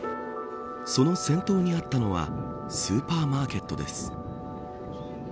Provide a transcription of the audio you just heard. その先頭にあったのはスーパーマーケットです。